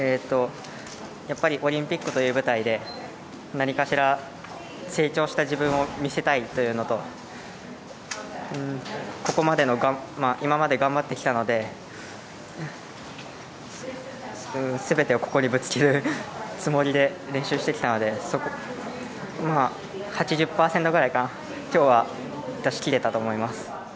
やっぱりオリンピックという舞台で何かしら成長した自分を見せたいというのといままで頑張ってきたので全てをここでぶつけるつもりで練習してきたので８０％ぐらいかな今日は出し切れたと思います。